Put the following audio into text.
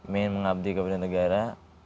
pengen mengabdi kepada negara